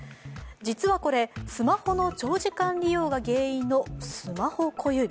実はこれ、スマホの長時間利用が原因のスマホ小指。